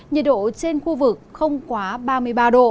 nhiệt độ trên khu vực không quá ba mươi m